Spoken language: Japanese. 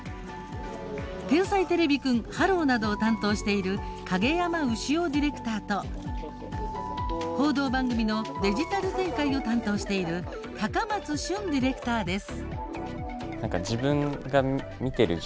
「天才てれびくんｈｅｌｌｏ，」などを担当している景山潮ディレクターと報道番組のデジタル展開を担当している高松俊ディレクターです。